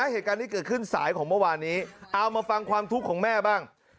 เหตุการณ์นี้เกิดขึ้นสายของเมื่อวานนี้เอามาฟังความทุกข์ของแม่บ้าง